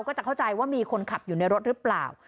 ก็จะเข้าใจว่ามีคนขับอยู่ในรถหรือเปล่า